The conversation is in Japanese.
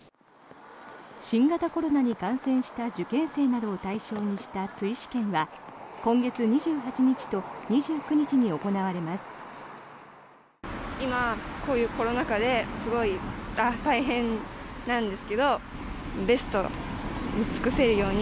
新型コロナに感染した受験生などを対象にした追試験は今月２８日と２９日に行われます。